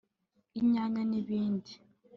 inyanya n’ibindi